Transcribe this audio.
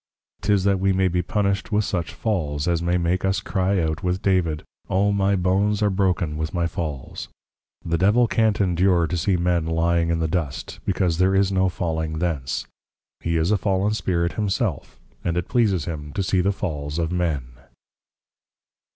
'Tis that we may be punished with such Falls, as may make us cry out with David, O my Bones are broken with my Falls! The Devil can't endure to see men lying in the Dust; because there is no falling thence. He is a Fallen Spirit himself, and it pleases him to see the Falls of men.